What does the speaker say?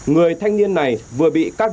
người thanh niên này vừa bị các đối tượng đánh giá